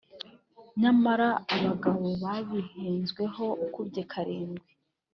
Nyamara abagabo babihenzweho ukubye karindwi.